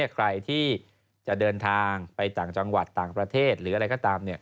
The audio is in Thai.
ใครที่จะเดินทางไปต่างจังหวัดต่างประเทศหรืออะไรก็ตาม